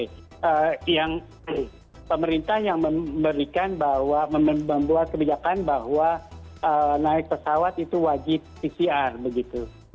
jadi yang pemerintah yang memberikan bahwa membuat kebijakan bahwa naik pesawat itu wajib pcr begitu